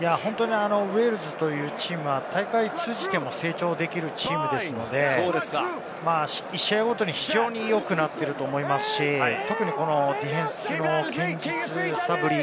ウェールズというチームは大会を通じても成長できるチームですので、１試合ごとに非常によくなっていると思いますし、特にディフェンスの堅実さぶり。